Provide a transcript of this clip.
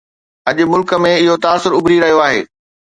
اڄ ملڪ ۾ اهو تاثر اڀري رهيو آهي